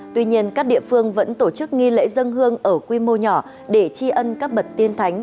tuy nhiên các địa phương vẫn tổ chức nghi lễ dân hương ở quy mô nhỏ để tri ân các bậc tiên thánh